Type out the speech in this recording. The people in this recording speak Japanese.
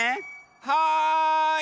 はい！